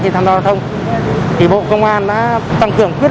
tham hoa thông mà có sử lượng nồng độ cồn